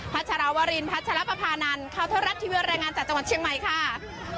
พัชรวรินพัชรประพานันข้าวเทอรัฐทีเวียวแรงงานจากจังหวันเชียงใหม่ค่ะ